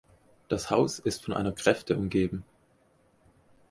Das Haus ist von einer Gräfte umgeben.